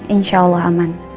insya allah aman